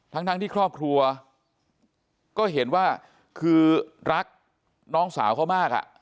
ทั้งที่ครอบครัวก็เห็นว่าคือรักน้องสาวเขามาก